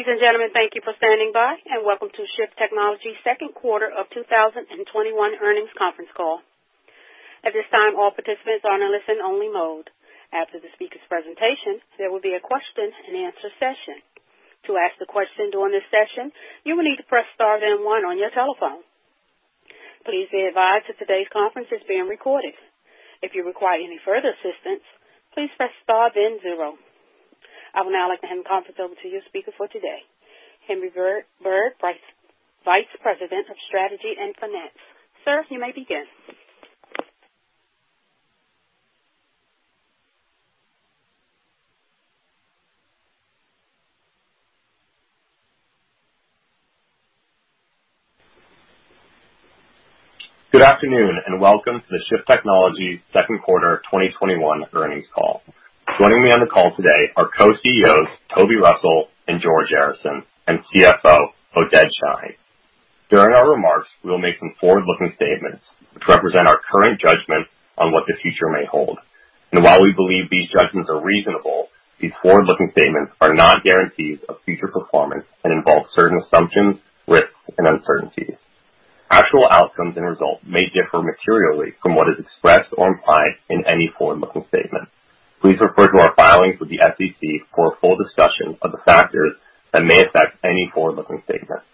Ladies and gentlemen, thank you for standing by, and welcome to Shift Technologies' second quarter of 2021 earnings conference call. At this time, all participants are in a listen-only mode. After the speaker's presentation, there will be a question-and-answer session. To ask the question during this session, you will need to press star then one on your telephone. Please be advised that today's conference is being recorded. If you require any further assistance, please press star then zero. I would now like to hand the conference over to your speaker for today, Henry Bird, Vice President of Strategy and Finance. Sir, you may begin. Good afternoon, welcome to the Shift Technologies second quarter 2021 earnings call. Joining me on the call today are Co-Chief Executive Officers Toby Russell and George Arison, and Chief Financial Officer Oded Shein. During our remarks, we'll make some forward-looking statements which represent our current judgment on what the future may hold. While we believe these judgments are reasonable, these forward-looking statements are not guarantees of future performance and involve certain assumptions, risks, and uncertainties. Actual outcomes and results may differ materially from what is expressed or implied in any forward-looking statement. Please refer to our filings with the SEC for a full discussion of the factors that may affect any forward-looking statements.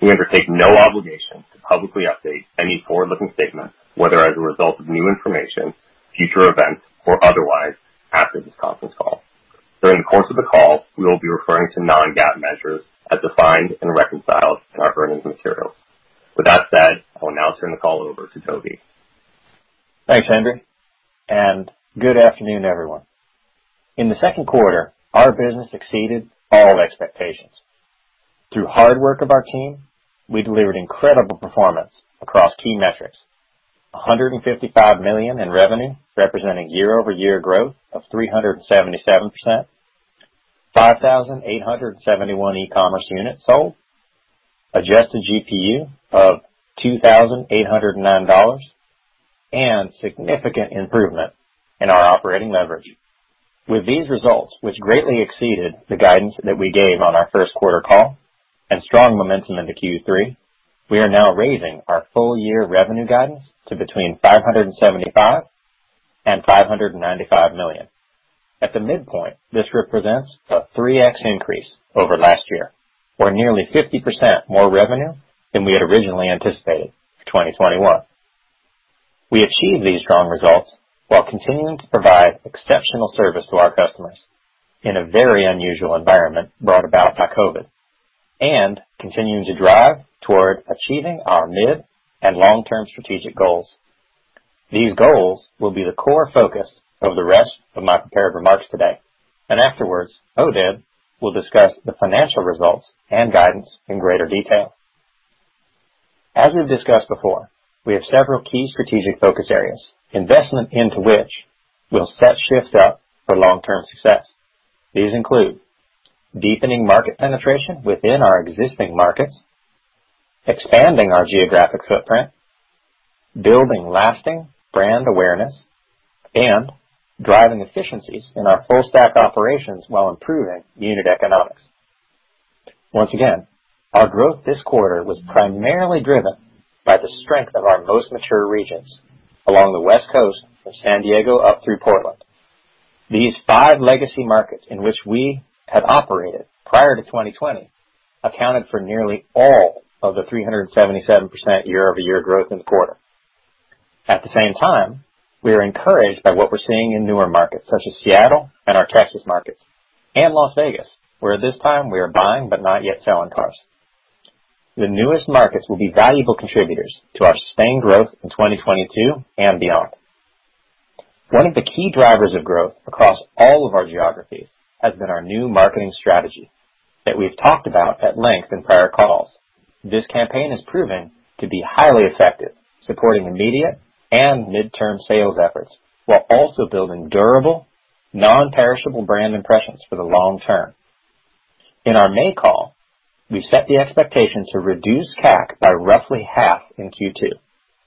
We undertake no obligation to publicly update any forward-looking statements, whether as a result of new information, future events, or otherwise, after this conference call. During the course of the call, we will be referring to non-GAAP measures as defined and reconciled in our earnings material. With that said, I will now turn the call over to Toby. Thanks, Henry, and good afternoon everyone? In the second quarter, our business exceeded all expectations. Through hard work of our team, we delivered incredible performance across key metrics. $155 million in revenue, representing year-over-year growth of 377%, 5,871 E-Commerce units sold, adjusted GPU of $2,809, and significant improvement in our operating leverage. With these results, which greatly exceeded the guidance that we gave on our first quarter call and strong momentum into Q3, we are now raising our full year revenue guidance to between $575 million and $595 million. At the midpoint, this represents a 3x increase over last year, or nearly 50% more revenue than we had originally anticipated for 2021. We achieved these strong results while continuing to provide exceptional service to our customers in a very unusual environment brought about by COVID, continuing to drive toward achieving our mid- and long-term strategic goals. These goals will be the core focus of the rest of my prepared remarks today, afterwards, Oded will discuss the financial results and guidance in greater detail. As we've discussed before, we have several key strategic focus areas, investment into which will set Shift up for long-term success. These include deepening market penetration within our existing markets, expanding our geographic footprint, building lasting brand awareness, driving efficiencies in our full stack operations while improving unit economics. Once again, our growth this quarter was primarily driven by the strength of our most mature regions along the West Coast from San Diego up through Portland. These five legacy markets in which we have operated prior to 2020 accounted for nearly all of the 377% year-over-year growth in the quarter. At the same time, we are encouraged by what we're seeing in newer markets such as Seattle and our Texas markets and Las Vegas, where at this time we are buying but not yet selling cars. The newest markets will be valuable contributors to our sustained growth in 2022 and beyond. One of the key drivers of growth across all of our geographies has been our new marketing strategy that we've talked about at length in prior calls. This campaign has proven to be highly effective, supporting immediate and midterm sales efforts while also building durable, non-perishable brand impressions for the long term. In our May call, we set the expectation to reduce CAC by roughly half in Q2.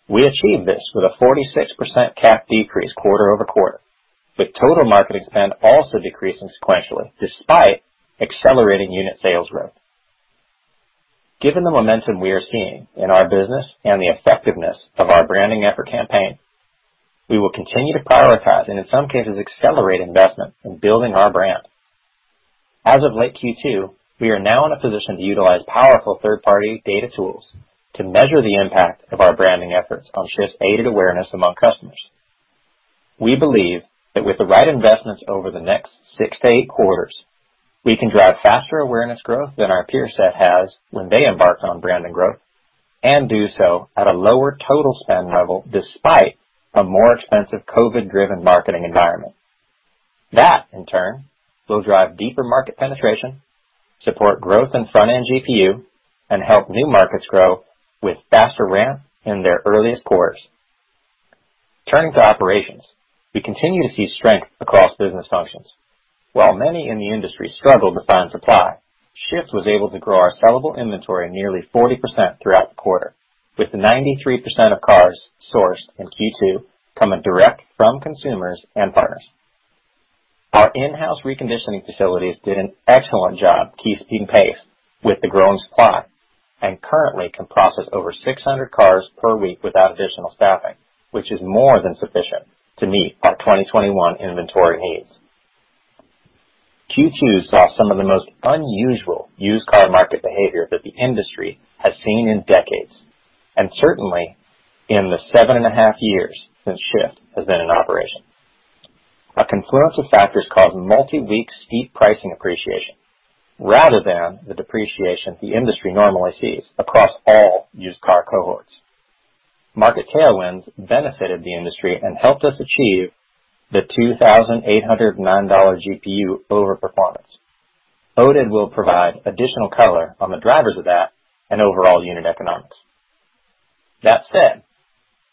We achieved this with a 46% CAC decrease quarter-over-quarter, with total marketing spend also decreasing sequentially despite accelerating unit sales growth. Given the momentum we are seeing in our business and the effectiveness of our branding effort campaign, we will continue to prioritize and, in some cases, accelerate investment in building our brand. As of late Q2, we are now in a position to utilize powerful third-party data tools to measure the impact of our branding efforts on Shift's aided awareness among customers. We believe that with the right investments over the next six to eight quarters, we can drive faster awareness growth than our peer set has when they embark on branding growth and do so at a lower total spend level despite a more expensive COVID-driven marketing environment. That, in turn, will drive deeper market penetration, support growth in front-end GPU, and help new markets grow with faster ramp in their earliest quarters. Turning to operations, we continue to see strength across business functions. While many in the industry struggled to find supply, Shift was able to grow our sellable inventory nearly 40% throughout the quarter, with 93% of cars sourced in Q2 coming direct from consumers and partners. Our in-house reconditioning facilities did an excellent job keeping pace with the growing supply, and currently can process over 600 cars per week without additional staffing, which is more than sufficient to meet our 2021 inventory needs. Q2 saw some of the most unusual used car market behavior that the industry has seen in decades, and certainly in the seven and a half years since Shift has been in operation. A confluence of factors caused multi-week steep pricing appreciation rather than the depreciation the industry normally sees across all used car cohorts. Market tailwinds benefited the industry and helped us achieve the $2,809 GPU over performance. Oded will provide additional color on the drivers of that and overall unit economics. That said,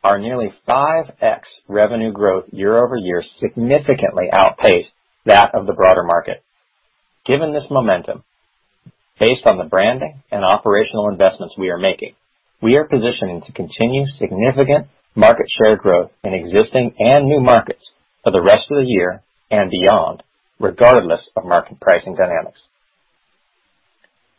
our nearly 5x revenue growth year-over-year significantly outpaced that of the broader market. Given this momentum, based on the branding and operational investments we are making, we are positioning to continue significant market share growth in existing and new markets for the rest of the year and beyond, regardless of market pricing dynamics.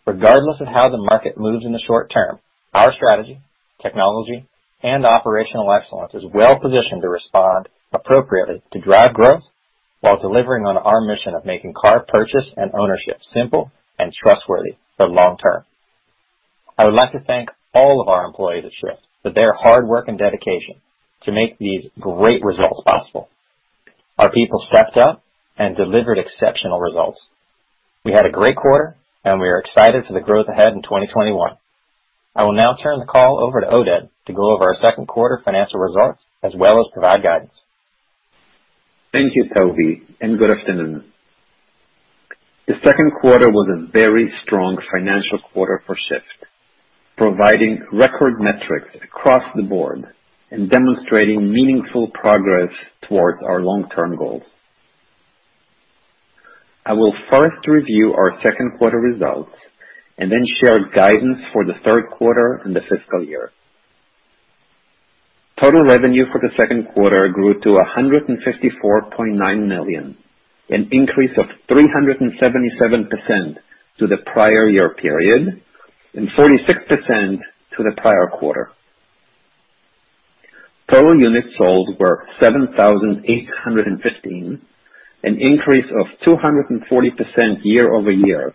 Regardless of how the market moves in the short term, our strategy, technology, and operational excellence is well positioned to respond appropriately to drive growth while delivering on our mission of making car purchase and ownership simple and trustworthy for long term. I would like to thank all of our employees at Shift for their hard work and dedication to make these great results possible. Our people stepped up and delivered exceptional results. We had a great quarter, and we are excited for the growth ahead in 2021. I will now turn the call over to Oded to go over our second quarter financial results as well as provide guidance. Thank you, Toby, and good afternoon. The second quarter was a very strong financial quarter for Shift, providing record metrics across the board and demonstrating meaningful progress towards our long-term goals. I will first review our second quarter results and then share guidance for the third quarter and the fiscal year. Total revenue for the second quarter grew to $154.9 million, an increase of 377% to the prior year period and 46% to the prior quarter. Total units sold were 7,815, an increase of 240% year-over-year,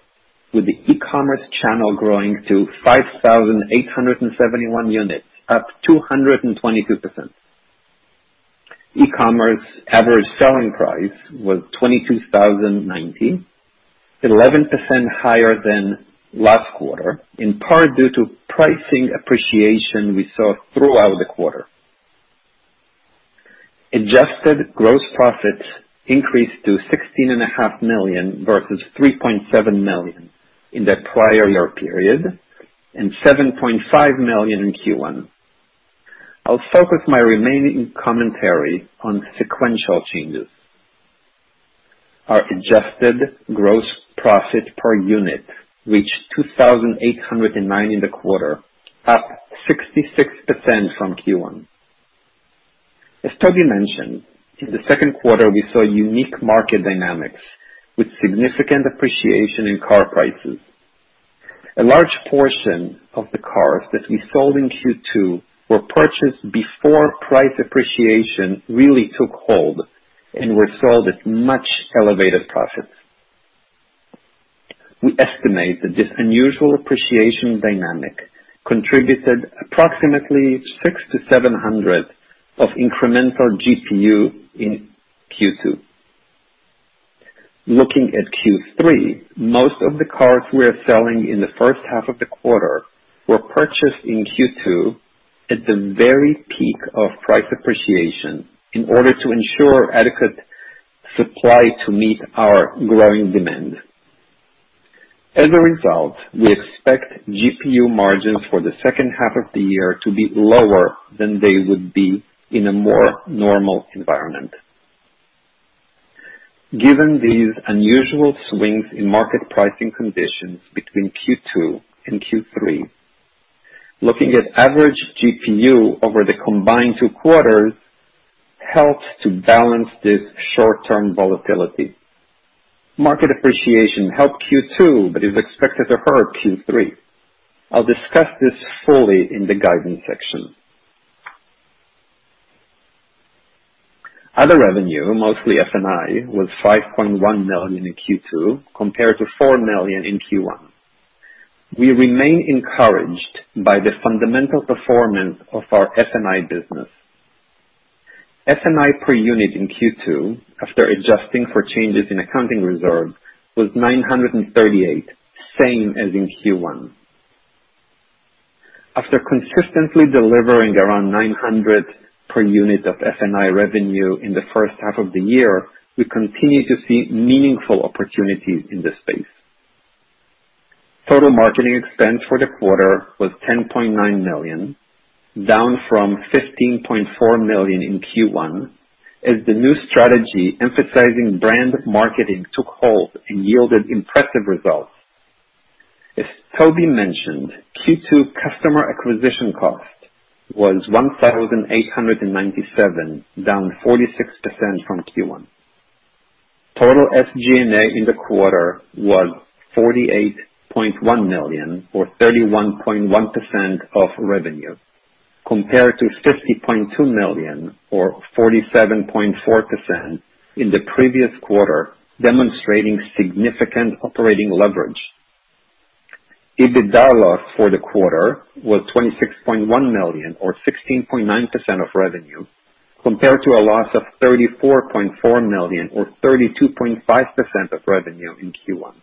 with the e-commerce channel growing to 5,871 units, up 222%. E-commerce average selling price was $22,090, 11% higher than last quarter, in part due to pricing appreciation we saw throughout the quarter. Adjusted gross profits increased to $16.5 million versus $3.7 million in the prior year period and $7.5 million in Q1. I'll focus my remaining commentary on sequential changes. Our adjusted gross profit per unit reached $2,809 in the quarter, up 66% from Q1. As Toby mentioned, in the second quarter, we saw unique market dynamics with significant appreciation in car prices. A large portion of the cars that we sold in Q2 were purchased before price appreciation really took hold and were sold at much elevated profits. We estimate that this unusual appreciation dynamic contributed approximately $600-$700 of incremental GPU in Q2. Looking at Q3, most of the cars we are selling in the first half of the quarter were purchased in Q2 at the very peak of price appreciation in order to ensure adequate supply to meet our growing demand. As a result, we expect GPU margins for the second half of the year to be lower than they would be in a more normal environment. Given these unusual swings in market pricing conditions between Q2 and Q3, looking at average GPU over the combined two quarters helps to balance this short-term volatility. Market appreciation helped Q2 but is expected to hurt Q3. I'll discuss this fully in the guidance section. Other revenue, mostly F&I, was $5.1 million in Q2 compared to $4 million in Q1. We remain encouraged by the fundamental performance of our F&I business. F&I per unit in Q2, after adjusting for changes in accounting reserve, was $938, same as in Q1. After consistently delivering around $900 per unit of F&I revenue in the first half of the year, we continue to see meaningful opportunities in this space. Total marketing expense for the quarter was $10.9 million, down from $15.4 million in Q1. As the new strategy emphasizing brand marketing took hold and yielded impressive results. As Toby mentioned, Q2 customer acquisition cost was $1,897, down 46% from Q1. Total SG&A in the quarter was $48.1 million or 31.1% of revenue, compared to $50.2 million or 47.4% in the previous quarter, demonstrating significant operating leverage. EBITDA loss for the quarter was $26.1 million or 16.9% of revenue, compared to a loss of $34.4 million or 32.5% of revenue in Q1.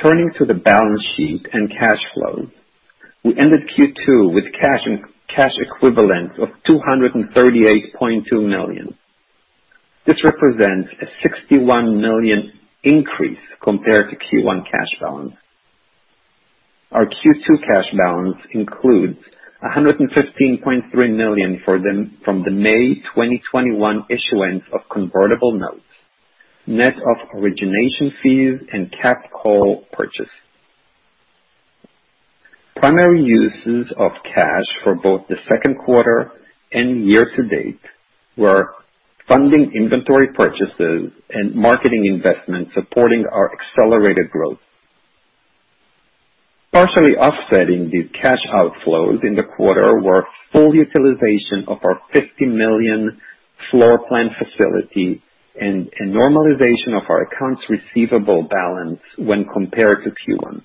Turning to the balance sheet and cash flow, we ended Q2 with cash equivalents of $238.2 million. This represents a $61 million increase compared to Q1 cash balance. Our Q2 cash balance includes $115.3 million from the May 2021 issuance of convertible notes, net of origination fees and capped call purchase. Primary uses of cash for both the second quarter and year to date were funding inventory purchases and marketing investments supporting our accelerated growth. Partially offsetting the cash outflows in the quarter were full utilization of our $50 million floor plan facility and a normalization of our accounts receivable balance when compared to Q1.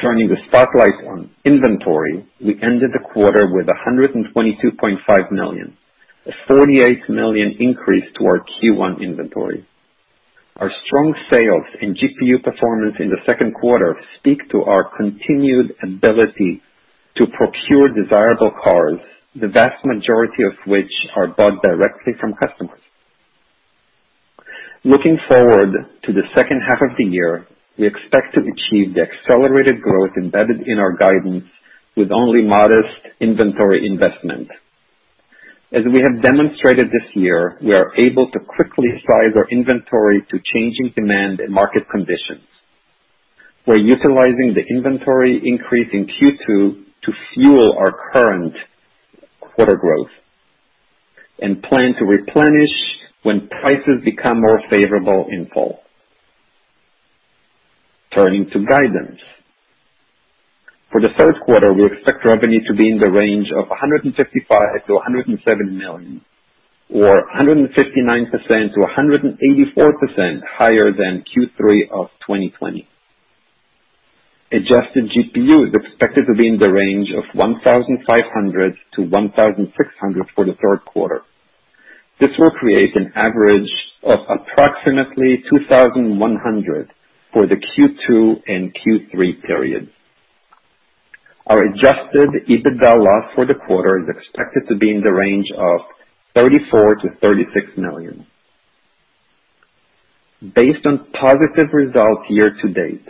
Turning the spotlight on inventory, we ended the quarter with $122.5 million, a $48 million increase to our Q1 inventory. Our strong sales and GPU performance in the second quarter speak to our continued ability to procure desirable cars, the vast majority of which are bought directly from customers. Looking forward to the second half of the year, we expect to achieve the accelerated growth embedded in our guidance with only modest inventory investment. As we have demonstrated this year, we are able to quickly size our inventory to changing demand and market conditions. We're utilizing the inventory increase in Q2 to fuel our current quarter growth and plan to replenish when prices become more favorable in fall. Turning to guidance. For the third quarter, we expect revenue to be in the range of $155 million-$107 million or 159%-184% higher than Q3 of 2020. Adjusted GPU is expected to be in the range of 1,500-1,600 for the third quarter. This will create an average of approximately 2,100 for the Q2 and Q3 periods. Our adjusted EBITDA loss for the quarter is expected to be in the range of $34 million-$36 million. Based on positive results year to date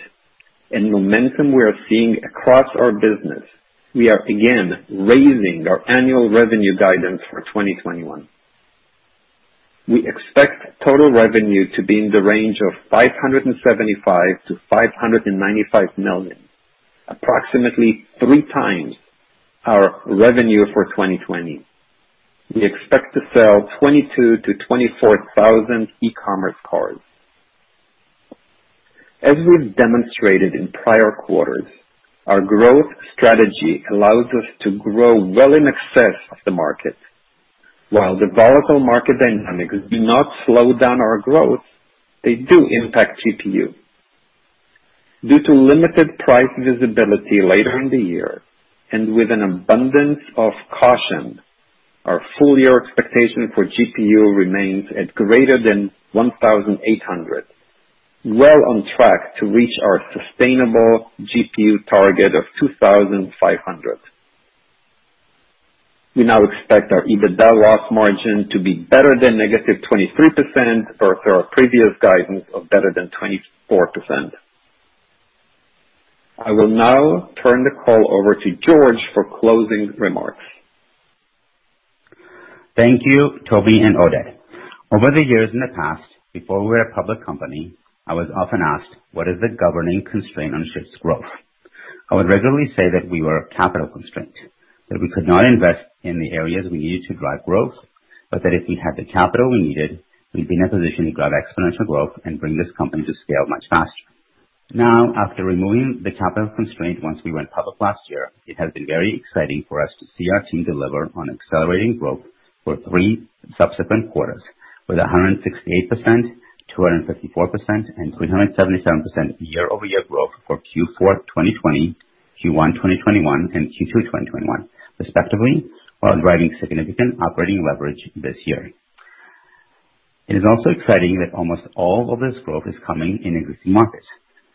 and momentum we are seeing across our business, we are again raising our annual revenue guidance for 2021. We expect total revenue to be in the range of $575 million-$595 million, approximately three times our revenue for 2020. We expect to sell 22,000 to 24,000 E-commerce cars. As we've demonstrated in prior quarters, our growth strategy allows us to grow well in excess of the market. While the volatile market dynamics do not slow down our growth, they do impact GPU. Due to limited price visibility later in the year, and with an abundance of caution, our full year expectation for GPU remains at greater than 1,800, well on track to reach our sustainable GPU target of 2,500. We now expect our EBITDA loss margin to be better than negative 23% or through our previous guidance of better than 24%. I will now turn the call over to George for closing remarks. Thank you, Toby Russell and Oded Shein. Over the years in the past, before we were a public company, I was often asked, what is the governing constraint on Shift's growth? I would regularly say that we were capital constrained, that we could not invest in the areas we needed to drive growth, but that if we had the capital we needed, we'd be in a position to drive exponential growth and bring this company to scale much faster. Now, after removing the capital constraint once we went public last year, it has been very exciting for us to see our team deliver on accelerating growth for three subsequent quarters with 168%, 254%, and 377% year-over-year growth for Q4 2020, Q1 2021, and Q2 2021, respectively, while driving significant operating leverage this year. It is also exciting that almost all of this growth is coming in existing markets,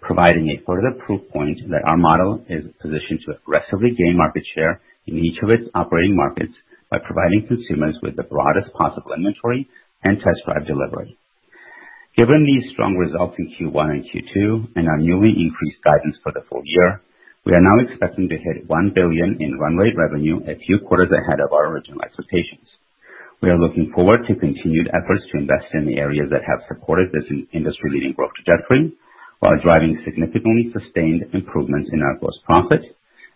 providing a further proof point that our model is positioned to aggressively gain market share in each of its operating markets by providing consumers with the broadest possible inventory and test-drive delivery. Given these strong results in Q1 and Q2 and our newly increased guidance for the full year, we are now expecting to hit $1 billion in run rate revenue a few quarters ahead of our original expectations. We are looking forward to continued efforts to invest in the areas that have supported this industry-leading growth trajectory while driving significantly sustained improvements in our gross profit,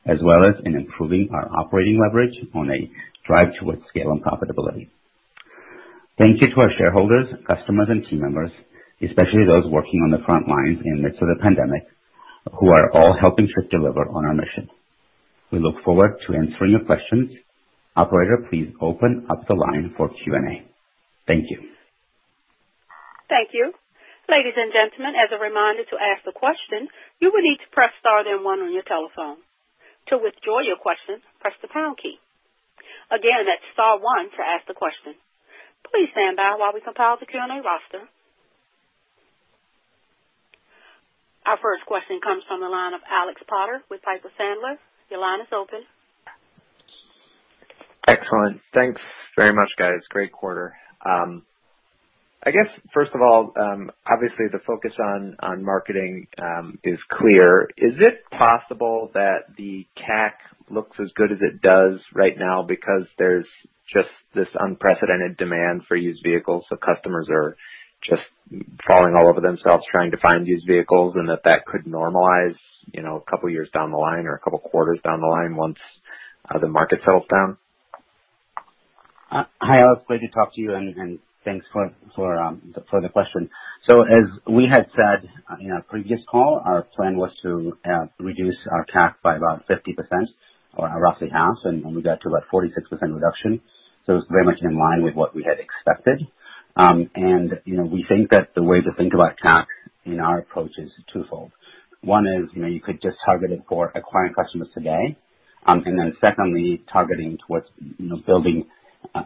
as well as in improving our operating leverage on a drive towards scale and profitability. Thank you to our shareholders, customers, and team members, especially those working on the front lines in midst of the pandemic, who are all helping Shift deliver on our mission. We look forward to answering your questions. Operator, please open up the line for Q&A. Thank you. Thank you. Ladies and gentlemen, as a reminder, to ask a question, you will need to press star then one on your telephone. To withdraw your question, press the pound key. Again, that's star one to ask the question. Please stand by while we compile the Q&A roster. Our first question comes from the line of Alex Potter with Piper Sandler, your line is open. Excellent. Thanks very much, guys. Great quarter. I guess, first of all, obviously the focus on marketing is clear. Is it possible that the CAC looks as good as it does right now because there's just this unprecedented demand for used vehicles, so customers are just falling all over themselves trying to find used vehicles, and that could normalize a couple of years down the line or a couple of quarters down the line once the market settles down? Hi, Alex. Glad to talk to you, and thanks for the question. As we had said in our previous call, our plan was to reduce our CAC by about 50%, or roughly half, and we got to about 46% reduction. It's very much in line with what we had expected. We think that the way to think about CAC in our approach is twofold. One is, you could just target it for acquiring customers today. Then secondly, targeting towards building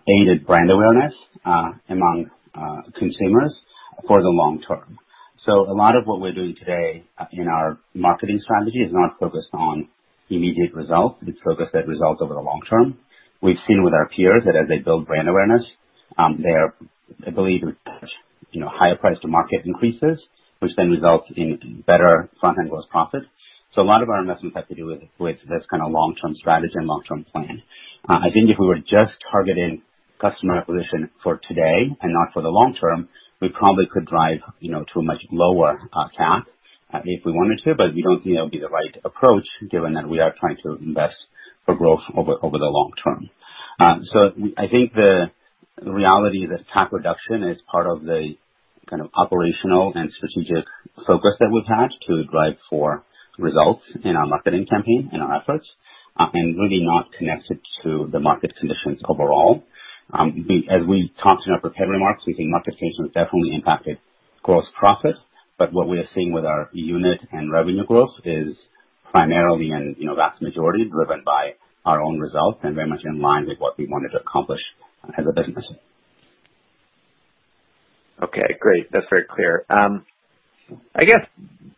aided brand awareness among consumers for the long term. A lot of what we're doing today in our marketing strategy is not focused on immediate results. It's focused at results over the long term. We've seen with our peers that as they build brand awareness, they are, I believe, attach higher price to market increases, which then results in better front-end gross profit. A lot of our investments have to do with this kind of long-term strategy and long-term plan. I think if we were just targeting customer acquisition for today and not for the long term, we probably could drive to a much lower CAC if we wanted to, but we don't think that would be the right approach given that we are trying to invest for growth over the long term. I think the reality that CAC reduction is part of the kind of operational and strategic focus that we've had to drive for results in our marketing campaign, in our efforts, and really not connected to the market conditions overall. As we talked in our prepared remarks, we think market conditions definitely impacted gross profit, but what we are seeing with our unit and revenue growth is primarily and vast majority driven by our own results and very much in line with what we wanted to accomplish as a business. Okay, great. That's very clear. I guess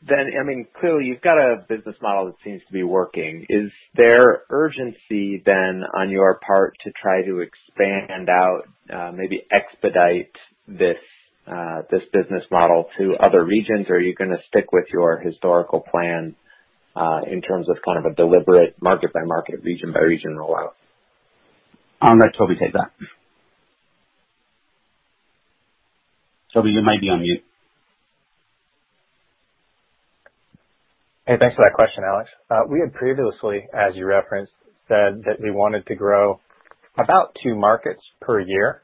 then, clearly you've got a business model that seems to be working. Is there urgency then on your part to try to expand out, maybe expedite this business model to other regions? Are you going to stick with your historical plan, in terms of a deliberate market-by-market, region-by-region rollout? I'll let Toby take that. Toby, you might be on mute. Hey, thanks for that question, Alex. We had previously, as you referenced, said that we wanted to grow about two markets per year.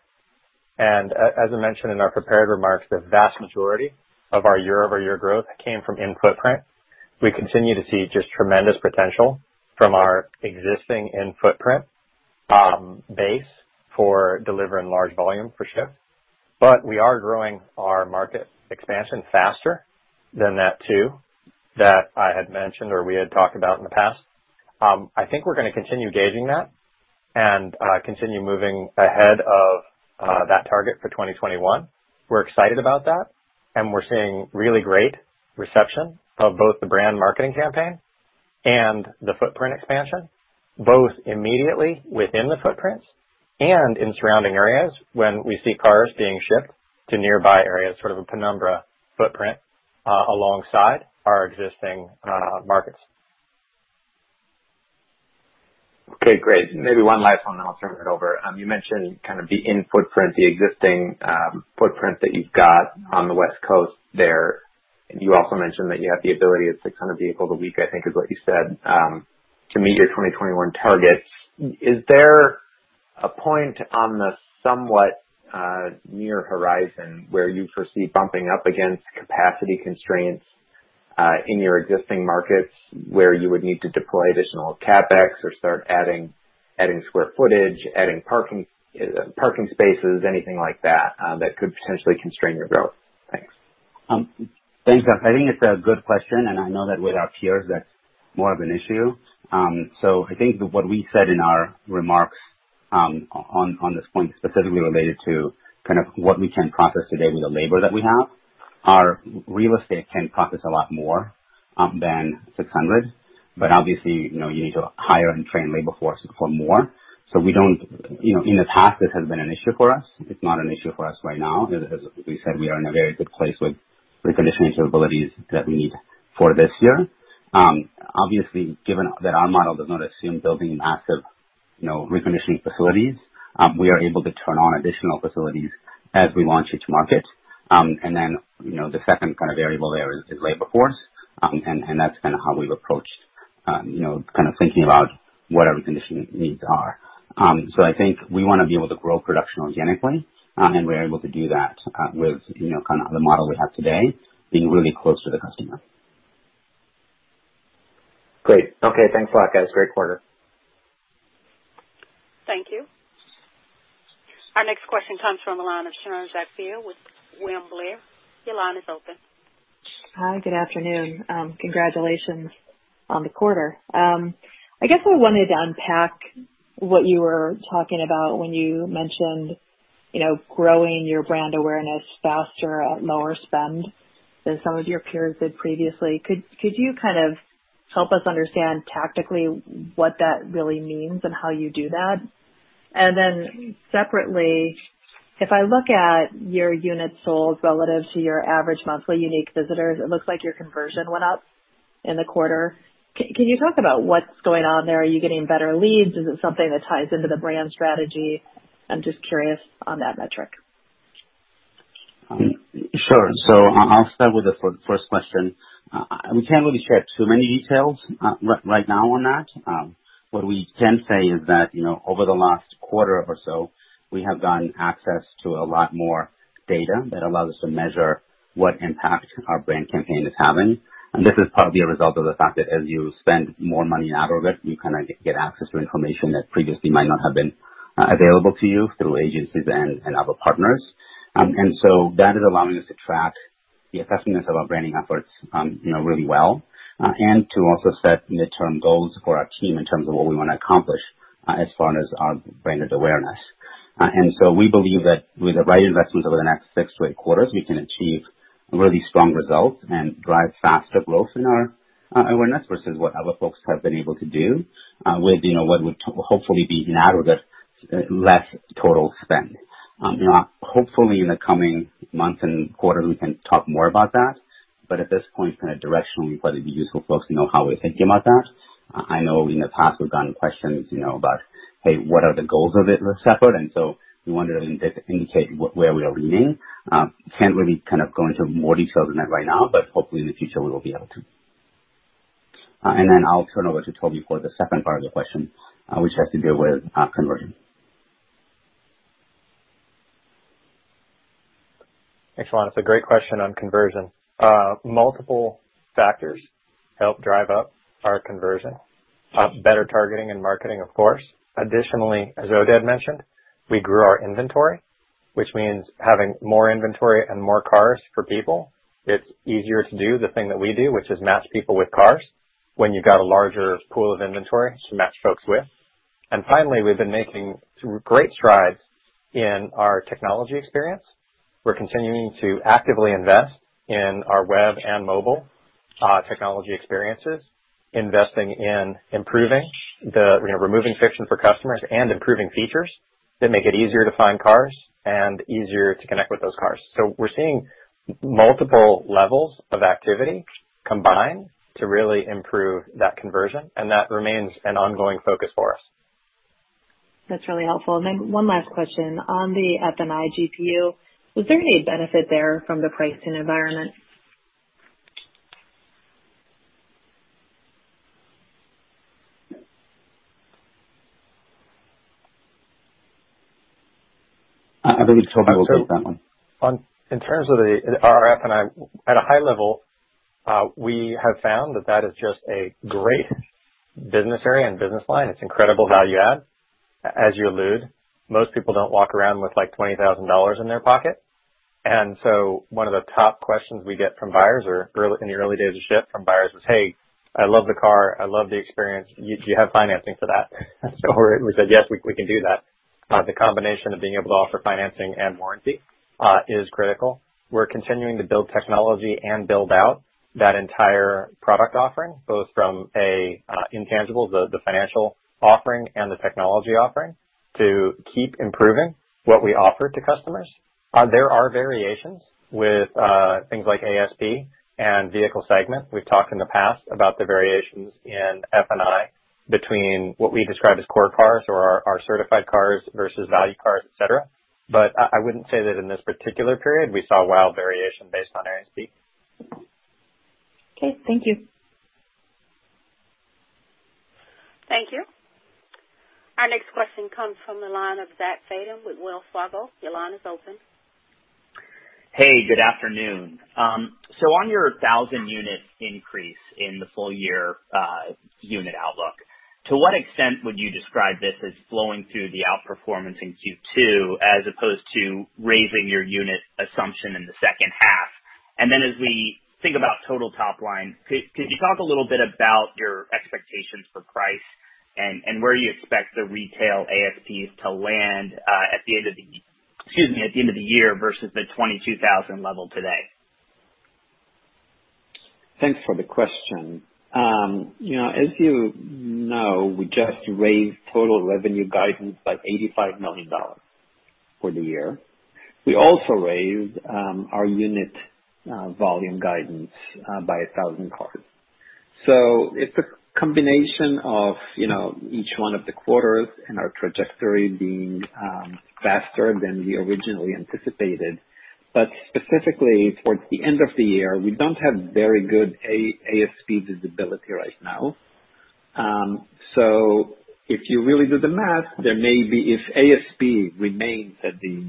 As I mentioned in our prepared remarks, the vast majority of our year-over-year growth came from in-footprint. We continue to see just tremendous potential from our existing in-footprint base for delivering large volume for Shift. We are growing our market expansion faster than that too, that I had mentioned or we had talked about in the past. I think we're going to continue gauging that and continue moving ahead of that target for 2021. We're excited about that, and we're seeing really great reception of both the brand marketing campaign and the footprint expansion, both immediately within the footprints and in surrounding areas when we see cars being shipped to nearby areas, sort of a penumbra footprint, alongside our existing markets. Okay, great. Maybe one last one, then I'll turn it over. You mentioned kind of the in-footprint, the existing footprint that you've got on the West Coast there. You also mentioned that you have the ability of 600 vehicles a week, I think, is what you said, to meet your 2021 targets. Is there a point on the somewhat near horizon where you foresee bumping up against capacity constraints, in your existing markets where you would need to deploy additional CapEx or start adding square footage, adding parking spaces, anything like that could potentially constrain your growth? Thanks. Thanks. I think it's a good question, and I know that with our peers, that's more of an issue. I think what we said in our remarks on this point specifically related to what we can process today with the labor that we have. Our real estate can process a lot more than 600 vehicles but obviously, you need to hire and train labor force for more. In the past, this has been an issue for us. It's not an issue for us right now. As we said, we are in a very good place with reconditioning capabilities that we need for this year. Obviously, given that our model does not assume building massive reconditioning facilities, we are able to turn on additional facilities as we launch each market. The second variable there is labor force. That's how we've approached thinking about what our reconditioning needs are. I think we want to be able to grow production organically, and we're able to do that with the model we have today, being really close to the customer. Great. Okay, thanks a lot, guys. Great quarter. Thank you. Our next question comes from the line of Sharon Zackfia with William Blair, your line is open. Hi, good afternoon. Congratulations on the quarter. I guess I wanted to unpack what you were talking about when you mentioned growing your brand awareness faster at lower spend than some of your peers did previously. Could you help us understand tactically what that really means and how you do that? separately, if I look at your units sold relative to your average monthly unique visitors, it looks like your conversion went up in the quarter. Can you talk about what's going on there? Are you getting better leads? Is it something that ties into the brand strategy? I'm just curious on that metric. Sure. I'll start with the first question. We can't really share too many details right now on that. What we can say is that over the last quarter or so, we have gotten access to a lot more data that allows us to measure what impact our brand campaign is having. This is partly a result of the fact that as you spend more money in aggregate, you get access to information that previously might not have been available to you through agencies and other partners. That is allowing us to track the effectiveness of our branding efforts really well, and to also set midterm goals for our team in terms of what we want to accomplish as far as our branded awareness. We believe that with the right investments over the next six to eight quarters, we can achieve really strong results and drive faster growth in our awareness versus what other folks have been able to do with what would hopefully be net of it, less total spend. Hopefully in the coming months and quarters, we can talk more about that. At this point, directionally, I thought it'd be useful for folks to know how we're thinking about that. I know in the past we've gotten questions about, hey, what are the goals of it separate? We wanted to indicate where we are leaning. Can't really go into more detail than that right now, but hopefully in the future we will be able to. I'll turn over to Toby for the second part of the question, which has to do with conversion. Thanks, Sharon. It's a great question on conversion. Multiple factors help drive up our conversion. Better targeting and marketing, of course. Additionally, as Oded mentioned, we grew our inventory, which means having more inventory and more cars for people. It's easier to do the thing that we do, which is match people with cars when you've got a larger pool of inventory to match folks with. Finally, we've been making great strides in our technology experience. We're continuing to actively invest in our web and mobile technology experiences, investing in improving removing friction for customers and improving features that make it easier to find cars and easier to connect with those cars. We're seeing multiple levels of activity combined to really improve that conversion, and that remains an ongoing focus for us. That's really helpful. one last question. On the F&I GPU, was there any benefit there from the pricing environment? I believe Toby will take that one. In terms of our F&I, at a high level, we have found that is just a great business area and business line. It's incredible value add. As you allude, most people don't walk around with $20,000 in their pocket. One of the top questions we get from buyers or in the early days of Shift from buyers was, hey, I love the car. I love the experience. Do you have financing for that? We said, yes, we can do that. The combination of being able to offer financing and warranty is critical. We're continuing to build technology and build out that entire product offering, both from a intangible, the financial offering, and the technology offering to keep improving what we offer to customers. There are variations with things like ASP and vehicle segment. We've talked in the past about the variations in F&I between what we describe as core cars or our certified cars versus value cars, et cetera. I wouldn't say that in this particular period we saw wild variation based on ASP. Okay, thank you. Thank you. Our next question comes from the line of Zach Fadem with Wells Fargo, your line is open. Hey, good afternoon? On your 1,000 unit increase in the full year unit outlook, to what extent would you describe this as flowing through the outperformance in Q2 as opposed to raising your unit assumption in the second half? As we think about total top line, could you talk a little bit about your expectations for price and where you expect the retail ASPs to land at the end of the year? Excuse me, at the end of the year versus the 22,000 level today? Thanks for the question. As you know, we just raised total revenue guidance by $85 million for the year. We also raised our unit volume guidance by 1,000 cars. It's a combination of each one of the quarters and our trajectory being faster than we originally anticipated. Specifically towards the end of the year, we don't have very good ASP visibility right now. If you really do the math, if ASP remains at the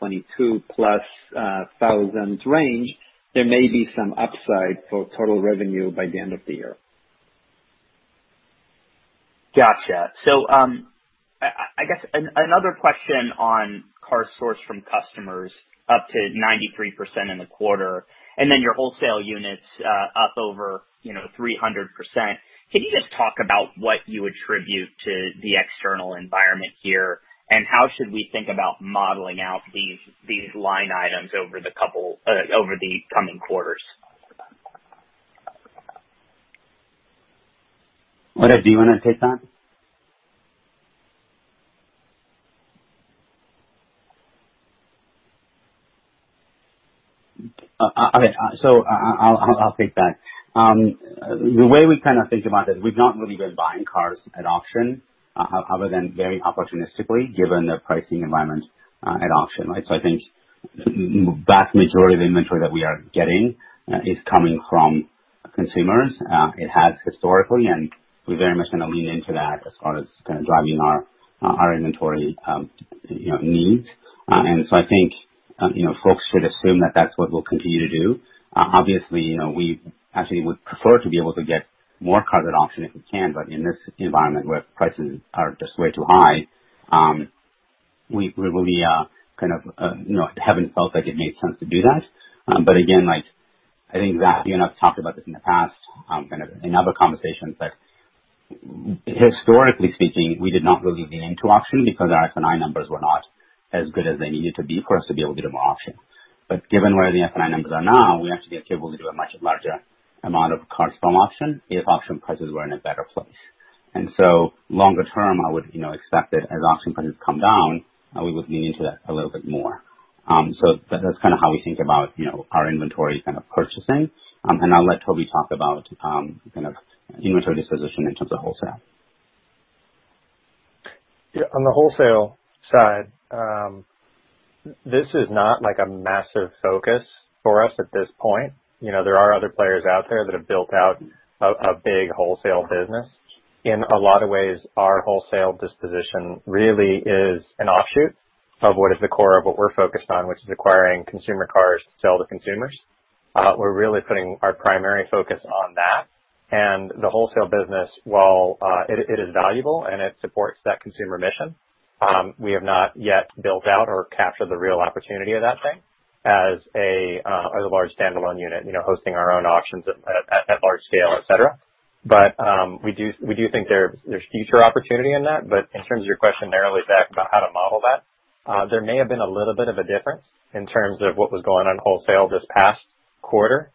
22,000-plus range, there may be some upside for total revenue by the end of the year. Got you. I guess an another question on car sourced from customers up to 93% in the quarter, and then your wholesale units up over 300%. Can you just talk about what you attribute to the external environment here, and how should we think about modeling out these line items over the coming quarters? Oded Shein, do you want to take that? Okay. I'll take that. The way we think about this, we've not really been buying cars at auction other than very opportunistically, given the pricing environment at auction, right? I think the vast majority of the inventory that we are getting is coming from consumers. It has historically, and we're very much going to lean into that as far as driving our inventory needs. I think folks should assume that that's what we'll continue to do. Obviously, we actually would prefer to be able to get more cars at auction if we can, but in this environment where prices are just way too high, we really haven't felt like it made sense to do that. Again, I think Zach, you and I have talked about this in the past in other conversations, but historically speaking, we did not really lean into auction because our F&I numbers were not as good as they needed to be for us to be able to do more auction. Given where the F&I numbers are now, we actually would be able to do a much larger amount of cars from auction if auction prices were in a better place. Longer term, I would expect that as auction prices come down, we would lean into that a little bit more. That's how we think about our inventory purchasing. I'll let Toby talk about inventory disposition in terms of wholesale. Yeah, on the wholesale side, this is not a massive focus for us at this point. There are other players out there that have built out a big wholesale business. In a lot of ways, our wholesale disposition really is an offshoot of what is the core of what we're focused on, which is acquiring consumer cars to sell to consumers. We're really putting our primary focus on that, and the wholesale business, while it is valuable and it supports that consumer mission, we have not yet built out or captured the real opportunity of that thing as a large standalone unit hosting our own auctions at large scale, et cetera. we do think there's future opportunity in that. In terms of your question narrowly, Zach, about how to model that, there may have been a little bit of a difference in terms of what was going on wholesale this past quarter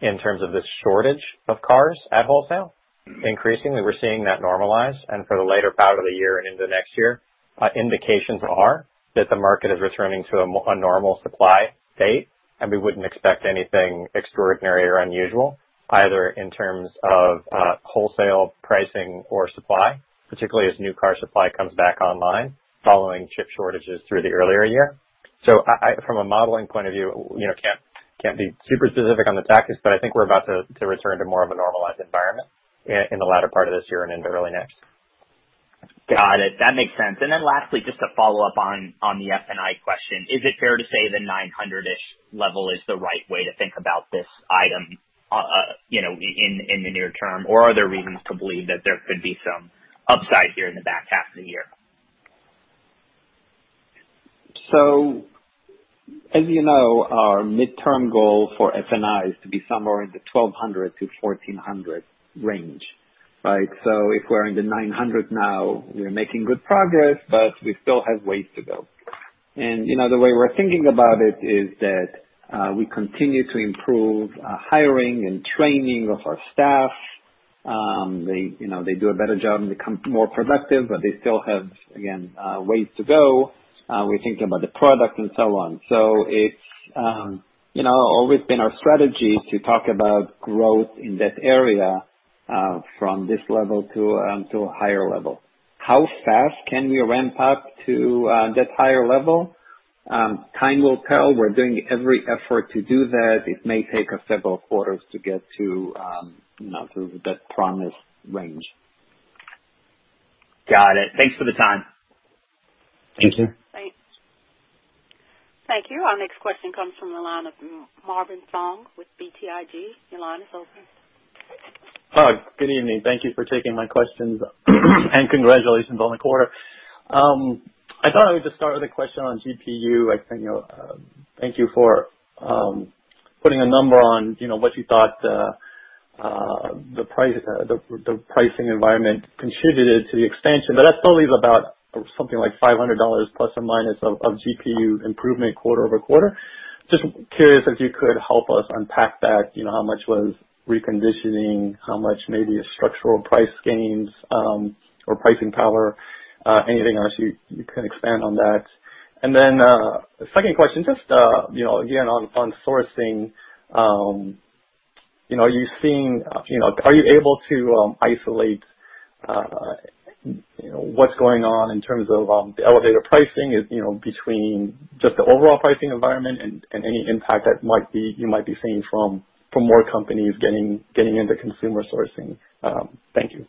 in terms of the shortage of cars at wholesale. Increasingly, we're seeing that normalize, and for the later part of the year and into next year, indications are that the market is returning to a normal supply state, and we wouldn't expect anything extraordinary or unusual, either in terms of wholesale pricing or supply, particularly as new car supply comes back online following chip shortages through the earlier year. From a modeling point of view, can't be super specific on the tactics, but I think we're about to return to more of a normalized environment in the latter part of this year and into early next. Got it. That makes sense. Lastly, just to follow up on the F&I question, is it fair to say the 900-ish level is the right way to think about this item in the near term, or are there reasons to believe that there could be some upside here in the back half of the year? As you know, our midterm goal for F&I is to be somewhere in the 1,200 to 1,400 range, right? If we're in the 900 now, we are making good progress, but we still have ways to go. The way we're thinking about it is that we continue to improve hiring and training of our staff. They do a better job and become more productive, but they still have, again, ways to go. We're thinking about the product and so on. It's always been our strategy to talk about growth in that area from this level to a higher level. How fast can we ramp up to that higher level? Time will tell. We're doing every effort to do that. It may take several quarters to get through that promised range. Got it. Thanks for the time. Thank you. Thank you. Thank you. Our next question comes from the line of Marvin Fong with BTIG. Your line is open. Hi, good evening. Thank you for taking my questions, and congratulations on the quarter. I thought I would just start with a question on GPU. Thank you for putting a number on what you thought. The pricing environment contributed to the expansion, but that still leaves about something like $500 ± of GPU improvement quarter-over-quarter. Just curious if you could help us unpack that, how much was reconditioning, how much maybe is structural price gains or pricing power, anything else you can expand on that. Then the second question, just again on sourcing. Are you able to isolate what's going on in terms of the elevated pricing between just the overall pricing environment and any impact that you might be seeing from more companies getting into consumer sourcing? Thank you.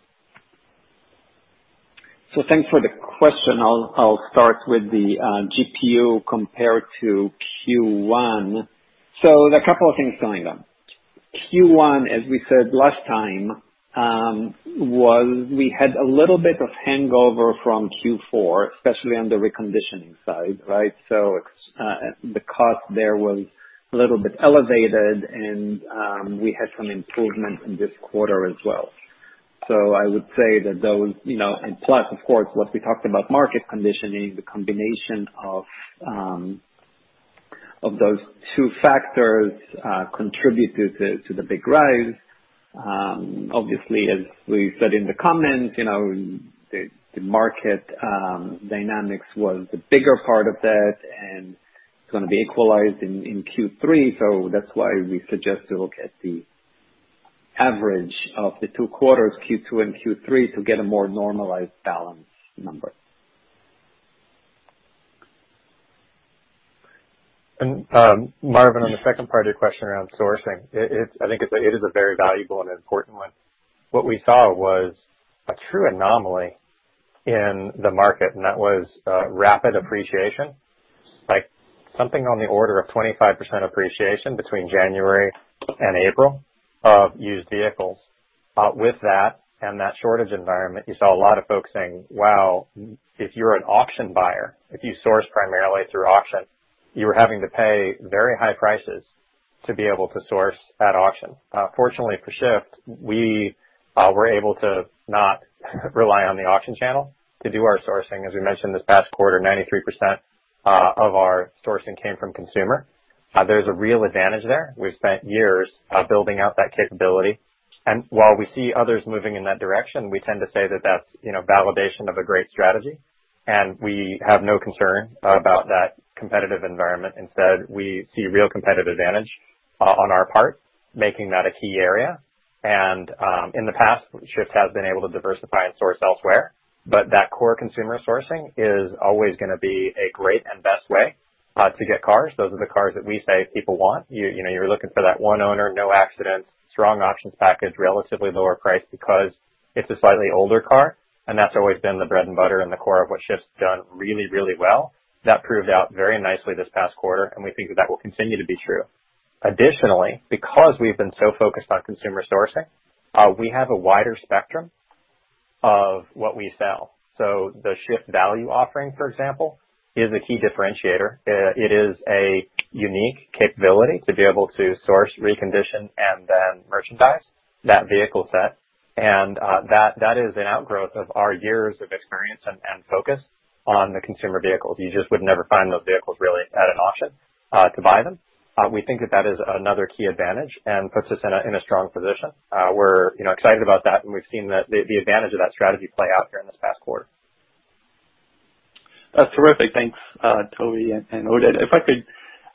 Thanks for the question. I'll start with the GPU compared to Q1. There are a couple of things going on. Q1, as we said last time, we had a little bit of hangover from Q4, especially on the reconditioning side, right? The cost there was a little bit elevated, and we had some improvement in this quarter as well. Plus, of course, what we talked about market conditioning, the combination of those two factors contributed to the big rise. Obviously, as we said in the comments, the market dynamics was the bigger part of that, and it's going to be equalized in Q3. That's why we suggest to look at the average of the two quarters, Q2 and Q3, to get a more normalized balance number. Marvin, on the second part of your question around sourcing, I think it is a very valuable and important one. What we saw was a true anomaly in the market, and that was rapid appreciation, like something on the order of 25% appreciation between January and April of used vehicles. With that and that shortage environment, you saw a lot of folks saying, wow, if you're an auction buyer, if you source primarily through auction, you are having to pay very high prices to be able to source at auction. Fortunately for Shift, we were able to not rely on the auction channel to do our sourcing. As we mentioned this past quarter, 93% of our sourcing came from consumer. There's a real advantage there. We've spent years building out that capability. While we see others moving in that direction, we tend to say that that's validation of a great strategy, and we have no concern about that competitive environment. Instead, we see real competitive advantage on our part, making that a key area. In the past, Shift has been able to diversify and source elsewhere. That core consumer sourcing is always going to be a great and best way to get cars. Those are the cars that we say people want. You're looking for that one owner, no accidents, strong options package, relatively lower price because it's a slightly older car, and that's always been the bread and butter and the core of what Shift's done really, really well. That proved out very nicely this past quarter, and we think that will continue to be true. Additionally, because we've been so focused on consumer sourcing, we have a wider spectrum of what we sell. The Shift value offering, for example, is a key differentiator. It is a unique capability to be able to source, recondition, and then merchandise that vehicle set. That is an outgrowth of our years of experience and focus on the consumer vehicles. You just would never find those vehicles really at an auction to buy them. We think that that is another key advantage and puts us in a strong position. We're excited about that, and we've seen the advantage of that strategy play out here in this past quarter. Terrific. Thanks, Toby and Oded. If I could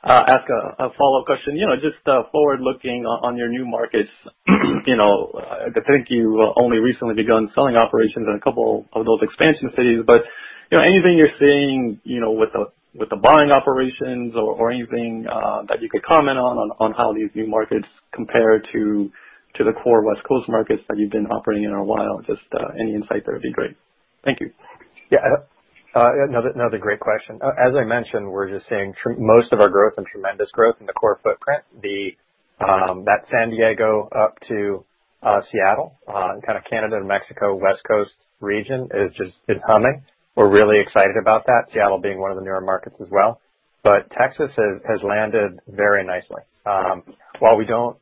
ask a follow-up question. Just forward-looking on your new markets, I think you only recently begun selling operations in a couple of those expansion cities. anything you're seeing with the buying operations or anything that you could comment on how these new markets compare to the core West Coast markets that you've been operating in a while? Just any insight there would be great. Thank you. Yeah. Another great question. As I mentioned, we're just seeing most of our growth and tremendous growth in the core footprint. That San Diego up to Seattle, kind of Canada and Mexico, West Coast region is just, it's humming. We're really excited about that, Seattle being one of the newer markets as well. Texas has landed very nicely. While we don't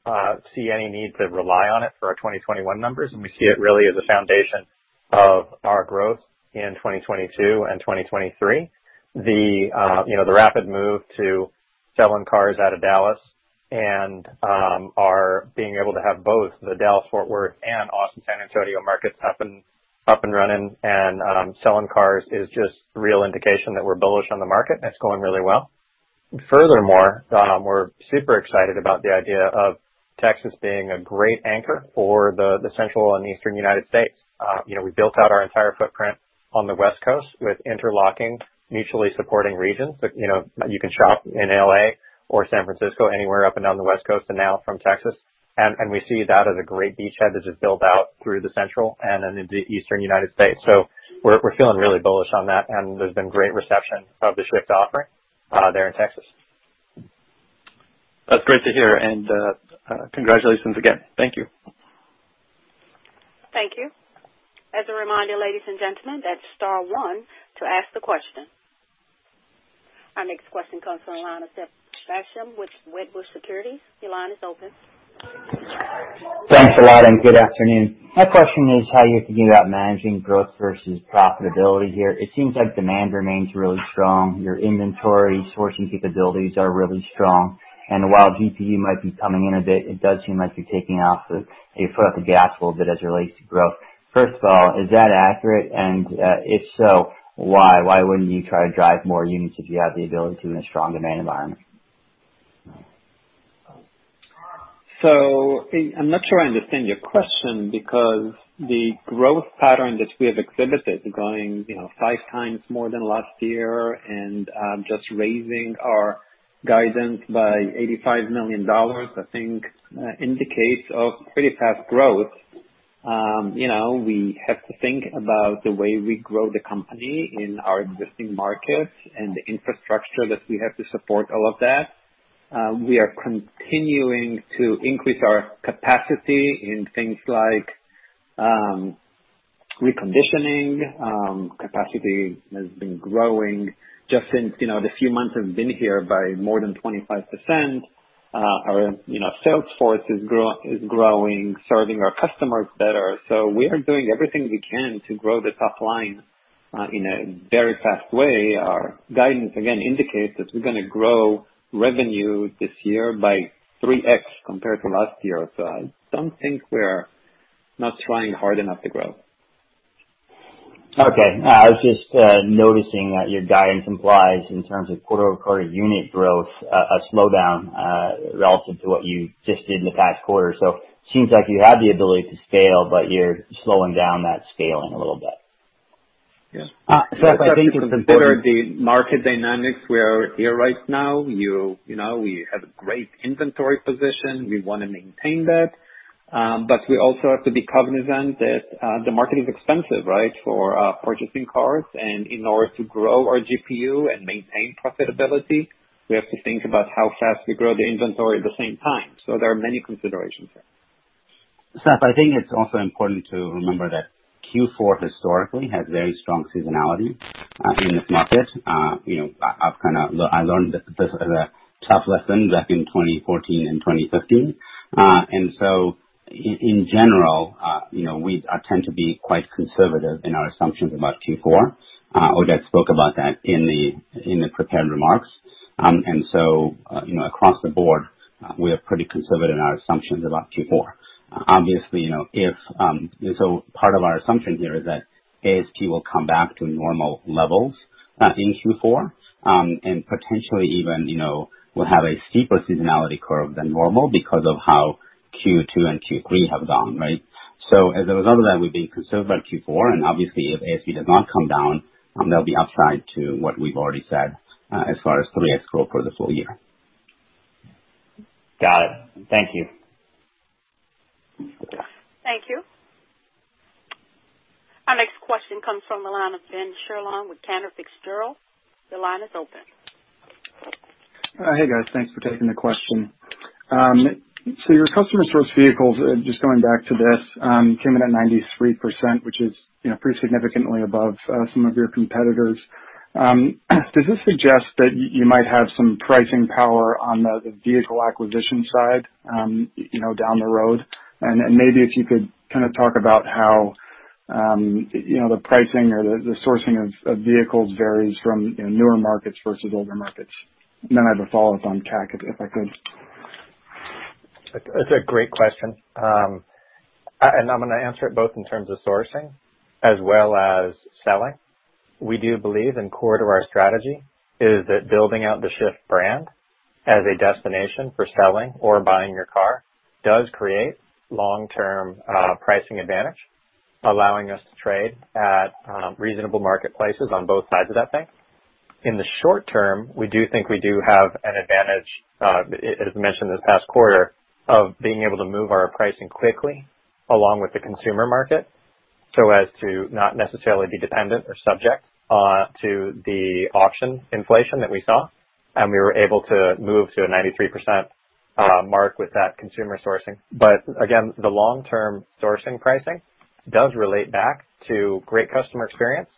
see any need to rely on it for our 2021 numbers, and we see it really as a foundation of our growth in 2022 and 2023. The rapid move to selling cars out of Dallas and our being able to have both the Dallas-Fort Worth and Austin-San Antonio markets up and running and selling cars is just real indication that we're bullish on the market, and it's going really well. Furthermore, we're super excited about the idea of Texas being a great anchor for the Central and Eastern United States. We built out our entire footprint on the West Coast with interlocking, mutually supporting regions. You can shop in L.A. or San Francisco, anywhere up and down the West Coast and now from Texas. We see that as a great beachhead to just build out through the Central and into the Eastern United States. We're feeling really bullish on that, and there's been great reception of the Shift offering there in Texas. That's great to hear. Congratulations again. Thank you. Thank you. As a reminder, ladies and gentlemen, that's star one to ask the question. Our next question comes from the line of Seth Basham with Wedbush Securities, your line is open. Thanks a lot, and good afternoon. My question is how you're thinking about managing growth versus profitability here. It seems like demand remains really strong. Your inventory sourcing capabilities are really strong. While GPU might be coming in a bit, it does seem like you're taking your foot off the gas a little bit as it relates to growth. First of all, is that accurate? If so, why wouldn't you try to drive more units if you have the ability in a strong demand environment? I'm not sure I understand your question because the growth pattern that we have exhibited growing five times more than last year and just raising our guidance by $85 million, I think indicates a pretty fast growth. We have to think about the way we grow the company in our existing markets and the infrastructure that we have to support all of that. We are continuing to increase our capacity in things like reconditioning. Capacity has been growing just since the few months I've been here by more than 25%. Our sales force is growing, serving our customers better. We are doing everything we can to grow the top line in a very fast way. Our guidance, again, indicates that we're going to grow revenue this year by 3X compared to last year. I don't think we're not trying hard enough to grow. Okay. I was just noticing that your guidance implies, in terms of quarter-over-quarter unit growth, a slowdown, relative to what you just did in the past quarter. seems like you have the ability to scale, but you're slowing down that scaling a little bit. Yeah. Seth, I think it's important If you consider the market dynamics we are here right now, we have a great inventory position. We want to maintain that. We also have to be cognizant that the market is expensive, right, for purchasing cars. In order to grow our GPU and maintain profitability, we have to think about how fast we grow the inventory at the same time. There are many considerations there. Seth, I think it's also important to remember that Q4 historically has very strong seasonality in this market. I learned a tough lesson back in 2014 and 2015. In general, we tend to be quite conservative in our assumptions about Q4. Oded spoke about that in the prepared remarks. Across the board, we are pretty conservative in our assumptions about Q4. Part of our assumption here is that ASP will come back to normal levels in Q4, and potentially even will have a steeper seasonality curve than normal because of how Q2 and Q3 have gone, right? As a result of that, we've been conservative about Q4, and obviously if ASP does not come down, that'll be upside to what we've already said as far as 3x growth for the full year. Got it. Thank you. Yes. Thank you. Our next question comes from the line of Ben Scherlund with Cantor Fitzgerald, your line is open. Hey, guys? Thanks for taking the question. your customer source vehicles, just going back to this, came in at 93%, which is pretty significantly above some of your competitors. Does this suggest that you might have some pricing power on the vehicle acquisition side down the road? maybe if you could talk about how the pricing or the sourcing of vehicles varies from newer markets versus older markets. I have a follow-up on CAC, if I could. That's a great question. I'm gonna answer it both in terms of sourcing as well as selling. We do believe, and core to our strategy is that building out the Shift brand as a destination for selling or buying your car does create long-term pricing advantage, allowing us to trade at reasonable marketplaces on both sides of that thing. In the short term, we do think we do have an advantage, as mentioned this past quarter, of being able to move our pricing quickly along with the consumer market so as to not necessarily be dependent or subject to the auction inflation that we saw. We were able to move to a 93% mark with that consumer sourcing. Again, the long-term sourcing pricing does relate back to great customer experience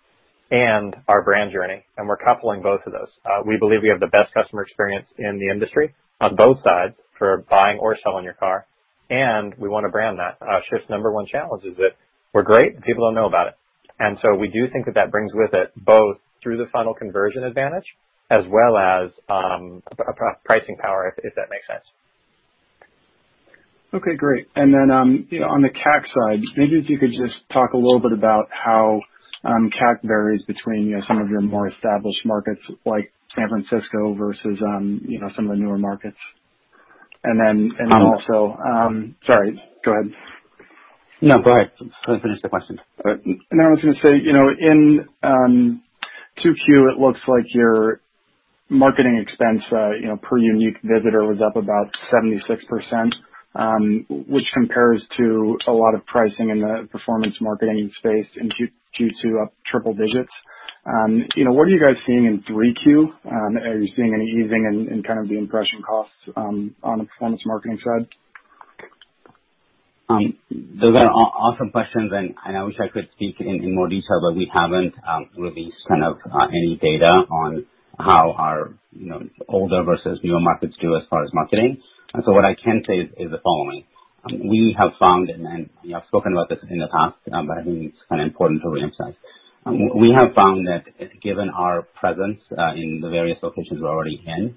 and our brand journey, and we're coupling both of those. We believe we have the best customer experience in the industry on both sides for buying or selling your car, and we want to brand that. Shift's number one challenge is that we're great and people don't know about it. we do think that that brings with it both through the funnel conversion advantage as well as pricing power, if that makes sense. Okay, great. On the CAC side, maybe if you could just talk a little bit about how CAC varies between some of your more established markets like San Francisco versus some of the newer markets. Also. Sorry, go ahead. No, go ahead. Finish the question. I was gonna say, in 2Q, it looks like your marketing expense per unique visitor was up about 76%, which compares to a lot of pricing in the performance marketing space in Q2 up triple digits. What are you guys seeing in 3Q? Are you seeing any easing in the impression costs on the performance marketing side? Those are awesome questions, and I wish I could speak in more detail, but we haven't released any data on how our older versus newer markets do as far as marketing. What I can say is the following. We have found, and we have spoken about this in the past, but I think it's important to reemphasize. We have found that given our presence in the various locations we're already in,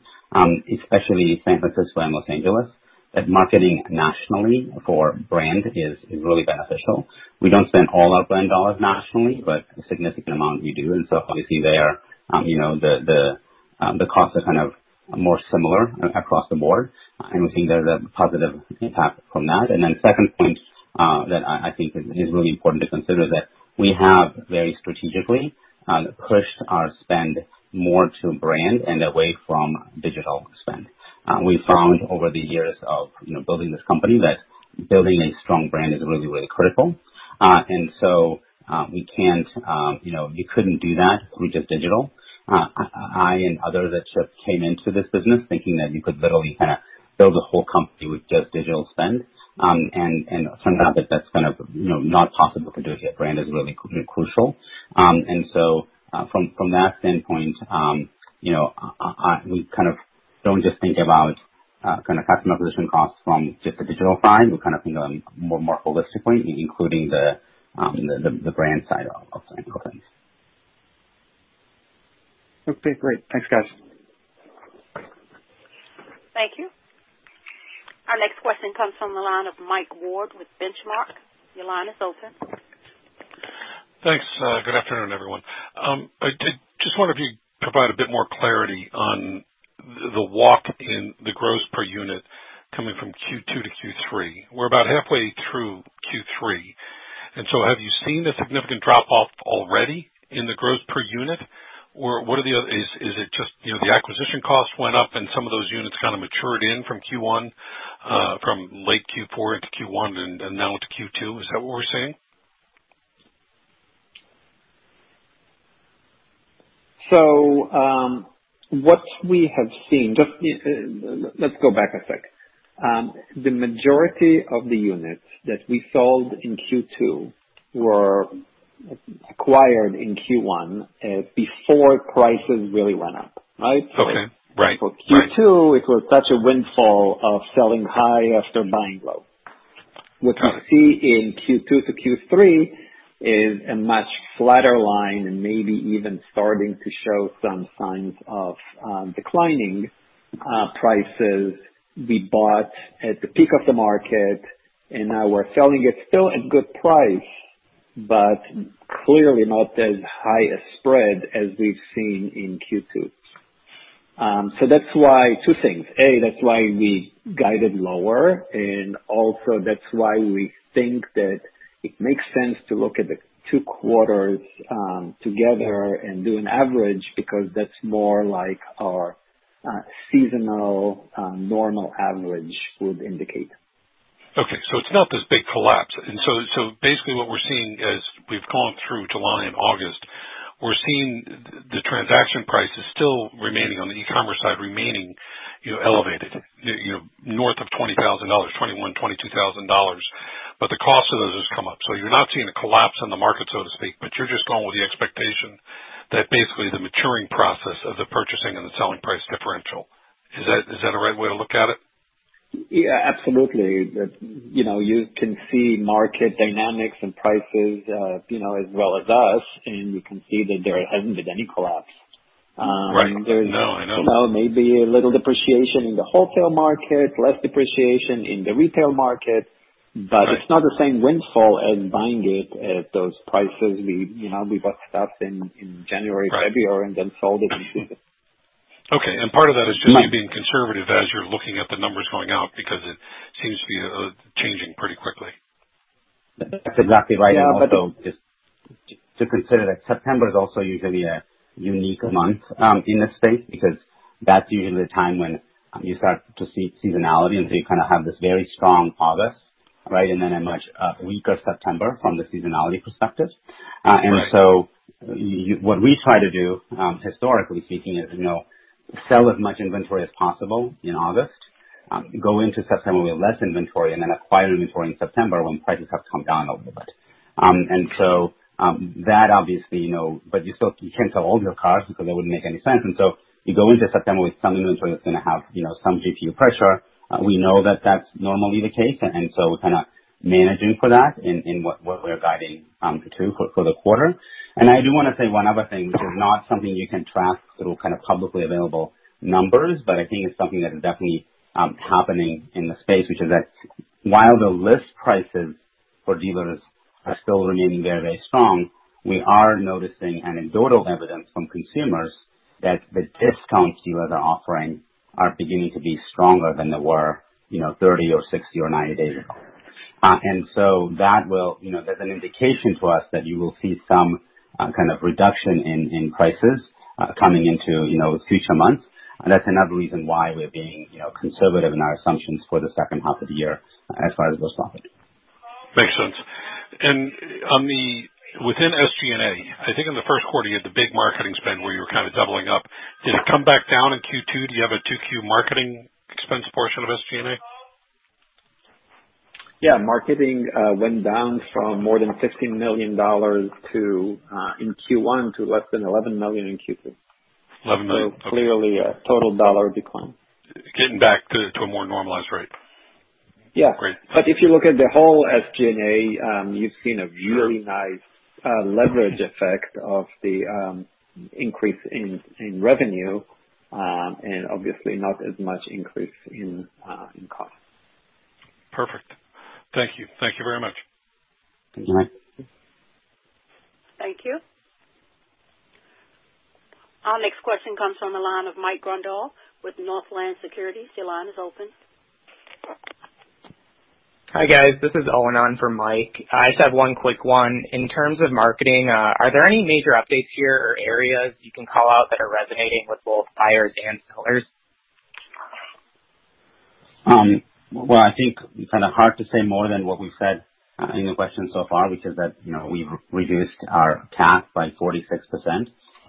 especially San Francisco and Los Angeles, that marketing nationally for brand is really beneficial. We don't spend all our brand dollars nationally, but a significant amount we do. Obviously there, the costs are more similar across the board, and we're seeing there's a positive impact from that. Second point that I think is really important to consider that we have very strategically pushed our spend more to brand and away from digital spend. We found over the years of building this company that building a strong brand is really critical. You couldn't do that through just digital. I and others that came into this business thinking that you could literally build a whole company with just digital spend, and it turns out that that's not possible to do it. Brand is really crucial. From that standpoint, we don't just think about customer acquisition costs from just the digital side. We think more holistically, including the brand side of things. Okay, great. Thanks, guys. Thank you. Our next question comes from the line of Mike Ward with Benchmark, your line is open. Thanks. Good afternoon everyone? I did just wonder if you could provide a bit more clarity on the walk in the gross per unit coming from Q2 to Q3. We're about halfway through Q3, and so have you seen a significant drop-off already in the gross per unit? Is it just the acquisition cost went up and some of those units matured in from late Q4 into Q1 and now into Q2? Is that what we're seeing? What we have seen. Let's go back a sec. The majority of the units that we sold in Q2 were acquired in Q1, before prices really went up. Right? Okay. Right. For Q2, it was such a windfall of selling high after buying low. Okay. What we see in Q2 to Q3 is a much flatter line and maybe even starting to show some signs of declining prices. We bought at the peak of the market, and now we're selling it still at good price, but clearly not as high a spread as we've seen in Q2. Two things. A, that's why we guided lower, and also that's why we think that it makes sense to look at the two quarters together and do an average, because that's more like our seasonal normal average would indicate. Okay. It's not this big collapse. Basically what we're seeing as we've gone through July and August, we're seeing the transaction prices still remaining on the E-commerce side, remaining elevated north of $20,000, $21,000, $22,000, but the cost of those has come up. You're not seeing a collapse in the market, so to speak, but you're just going with the expectation that basically the maturing process of the purchasing and the selling price differential. Is that a right way to look at it? Yeah, absolutely. You can see market dynamics and prices as well as us, and you can see that there hasn't been any collapse. Right. No, I know. There may be a little depreciation in the wholesale market, less depreciation in the retail market- Right it's not the same windfall as buying it at those prices. We bought stuff in January, February- Right Sold it in Q3. Okay. part of that is just you being conservative as you're looking at the numbers going out because it seems to be changing pretty quickly. That's exactly right. Also just to consider that September is also usually a unique month in the space, because that's usually the time when you start to see seasonality. You have this very strong August, and then a much weaker September from the seasonality perspective. Right. What we try to do, historically speaking, is sell as much inventory as possible in August, go into September with less inventory, and then acquire inventory in September when prices have come down a little bit. You can't sell all your cars because that wouldn't make any sense. You go into September with some inventory that's going to have some GPU pressure. We know that that's normally the case, and so we're managing for that in what we're guiding to for the quarter. I do want to say one other thing, which is not something you can track through publicly available numbers, but I think it's something that is definitely happening in the space, which is that while the list prices for dealers are still remaining very strong, we are noticing anecdotal evidence from consumers that the discounts dealers are offering are beginning to be stronger than they were 30 days or 60 days or 90 days ago. That's an indication to us that you will see some kind of reduction in prices coming into future months. That's another reason why we're being conservative in our assumptions for the second half of the year as far as gross profit. Makes sense. Within SG&A, I think in the first quarter, you had the big marketing spend where you were kind of doubling up. Did it come back down in Q2? Do you have a 2Q marketing expense portion of SG&A? Yeah. Marketing went down from more than $15 million in Q1 to less than $11 million in Q2. $11 million. Clearly, a total dollar decline. Getting back to a more normalized rate. Yeah. Great. If you look at the whole SG&A, you've seen a really nice leverage effect of the increase in revenue, and obviously not as much increase in cost. Perfect. Thank you. Thank you very much. Thank you. Thank you. Our next question comes from the line of Mike Grondahl with Northland Securities, your line is open. Hi, guys. This is Owen on for Mike. I just have one quick one. In terms of marketing, are there any major updates here or areas you can call out that are resonating with both buyers and sellers? Well, I think it's kind of hard to say more than what we've said in the questions so far, which is that we've reduced our CAC by 46%,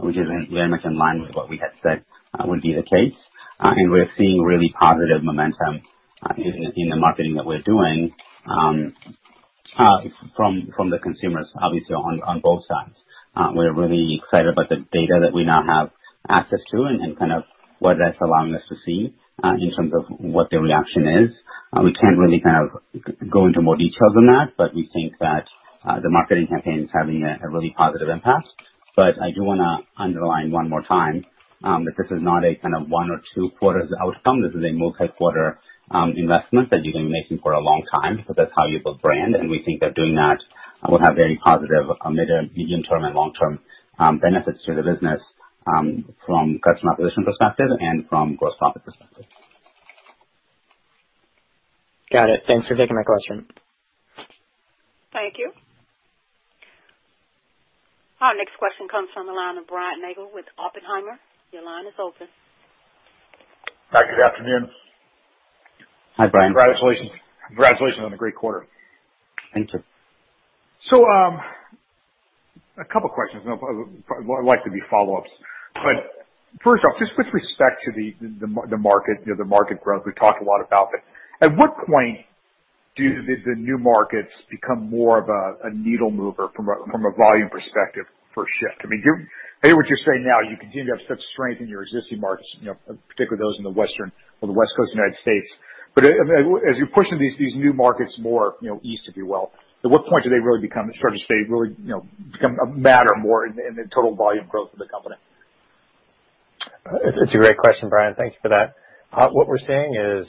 which is very much in line with what we had said would be the case. We're seeing really positive momentum in the marketing that we're doing from the consumers, obviously, on both sides. We're really excited about the data that we now have access to and kind of what that's allowing us to see, in terms of what the reaction is. We can't really go into more detail than that, but we think that the marketing campaign is having a really positive impact. I do want to underline one more time that this is not a kind of one or two quarters outcome. This is a multi-quarter investment that you've been making for a long time, because that's how you build brand. We think that doing that will have very positive medium-term and long-term benefits to the business, from customer acquisition perspective and from gross profit perspective. Got it. Thanks for taking my question. Thank you. Our next question comes from the line of Brian Nagel with Oppenheimer, your line is open. Hi, good afternoon? Hi, Brian. Congratulations on a great quarter. Thank you. A couple of questions, more likely to be follow-ups. First off, just with respect to the market growth we talked a lot about, at what point do the new markets become more of a needle mover from a volume perspective for Shift? I mean, I hear what you're saying now, you continue to have such strength in your existing markets, particularly those in the Western or the West Coast United States. As you push into these new markets more East, if you will, at what point do they really become a matter more in the total volume growth of the company? It's a great question, Brian. Thank you for that. What we're seeing is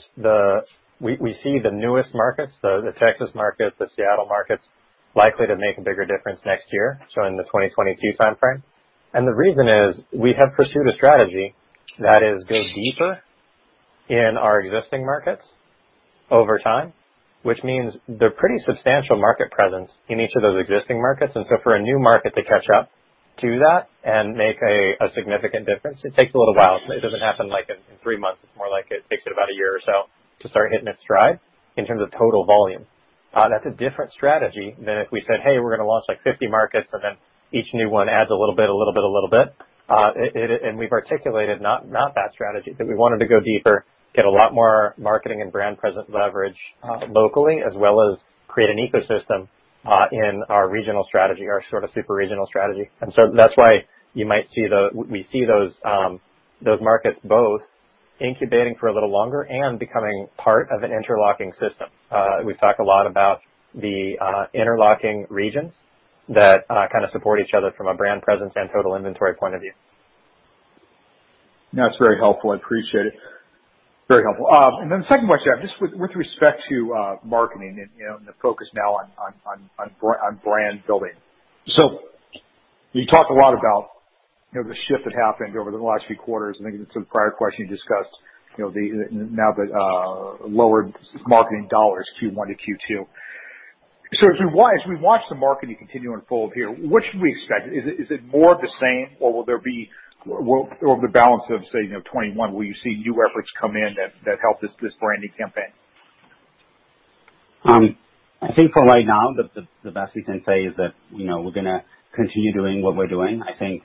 we see the newest markets, the Texas markets, the Seattle markets, likely to make a bigger difference next year, so in the 2022 timeframe. The reason is we have pursued a strategy that is go deeper in our existing markets over time, which means they're pretty substantial market presence in each of those existing markets. For a new market to catch up to that and make a significant difference, it takes a little while. It doesn't happen in three months. It's more like it takes it about a year or so to start hitting its stride in terms of total volume. That's a different strategy than if we said, hey, we're going to launch 50 markets, and then each new one adds a little bit We've articulated not that strategy, because we wanted to go deeper, get a lot more marketing and brand presence leverage locally, as well as create an ecosystem in our regional strategy, our sort of super regional strategy. That's why we see those markets both incubating for a little longer and becoming part of an interlocking system. We've talked a lot about the interlocking regions that kind of support each other from a brand presence and total inventory point of view. That's very helpful. I appreciate it. Very helpful. The second question, just with respect to marketing and the focus now on brand building. You talked a lot about the shift that happened over the last few quarters, and I think in some prior question you discussed now the lowered marketing dollars Q1 to Q2. As we watch the marketing continue to unfold here, what should we expect? Is it more of the same or will there be over the balance of, say, 2021, will you see new efforts come in that help this branding campaign? I think for right now, the best we can say is that we're going to continue doing what we're doing. I think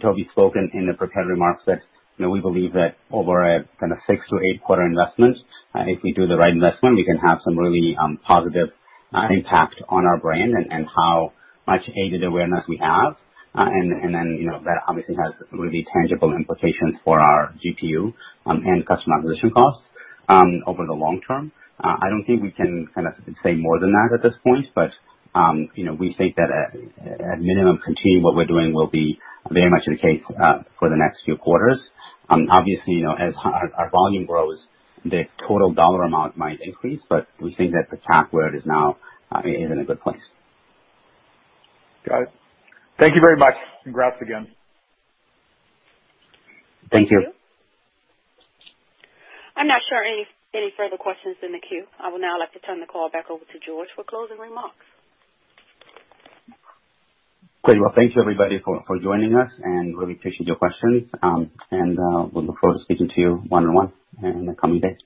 Toby spoken in the prepared remarks that we believe that over a kind of six to eight-quarter investment, if we do the right investment, we can have some really positive impact on our brand and how much aided awareness we have. that obviously has really tangible implications for our GPU and customer acquisition costs over the long term. I don't think we can say more than that at this point, but we think that at minimum, continuing what we're doing will be very much the case for the next few quarters. Obviously, as our volume grows, the total dollar amount might increase, but we think that the CAC where it is now is in a good place. Got it. Thank you very much, and congrats again. Thank you. I'm not sure any further questions in the queue. I would now like to turn the call back over to George for closing remarks. Great. Well, thank you, everybody, for joining us, and really appreciate your questions. We look forward to speaking to you one-on-one in the coming days.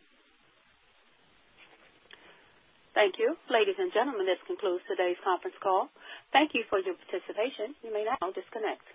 Thank you. Ladies and gentlemen, this concludes today's conference call. Thank you for your participation, you may now disconnect.